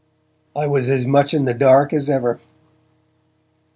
I was as much in the dark as ever.